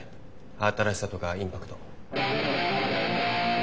新しさとかインパクト。